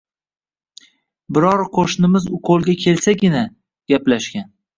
Biror qo‘shnimiz ukolga kelsagina, gaplashgan.